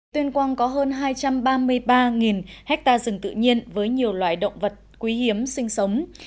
tuyên quang có hơn hai trăm ba mươi ba ha rừng tự nhiên với nhiều loài động vật quý hiếm sinh sống